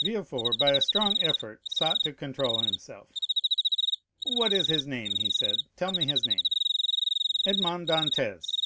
0161m Villefort by a strong effort sought to control himself. "What is his name?" said he. "Tell me his name." "Edmond Dantès."